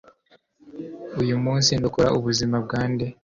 uyu munsi ndokora ubuzima bwa nde